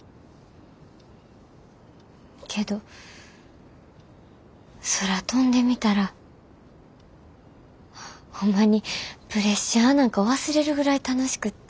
けど空飛んでみたらホンマにプレッシャーなんか忘れるぐらい楽しくって。